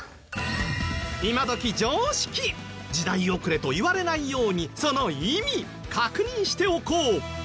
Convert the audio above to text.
今どき常識！時代遅れと言われないようにその意味確認しておこう！